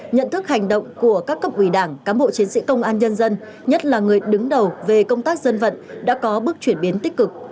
nhận thức hành động của các cấp ủy đảng cám bộ chiến sĩ công an nhân dân nhất là người đứng đầu về công tác dân vận đã có bước chuyển biến tích cực